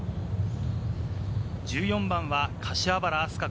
１４番は柏原明日架。